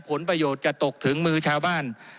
ผลประโยชน์จะตกถึงมือชาวบ้าน